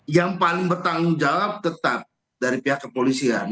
yang paling bertanggung jawab tetap dari pihak kepolisian